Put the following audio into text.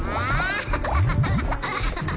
アハハハ！